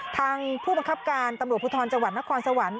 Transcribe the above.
ผู้บังคับการตำรวจภูทรจังหวัดนครสวรรค์